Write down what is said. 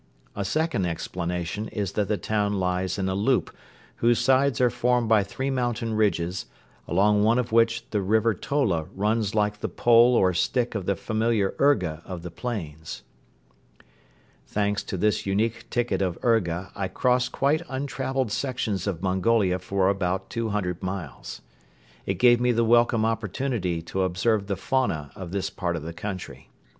A second explanation is that the town lies in a "loop" whose sides are formed by three mountain ridges, along one of which the River Tola runs like the pole or stick of the familiar urga of the plains. Thanks to this unique ticket of urga I crossed quite untraveled sections of Mongolia for about two hundred miles. It gave me the welcome opportunity to observe the fauna of this part of the country.